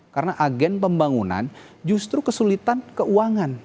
karena agen pembangunan justru kesulitan keuangan